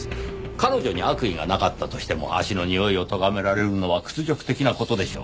彼女に悪意がなかったとしても足のにおいをとがめられるのは屈辱的な事でしょう。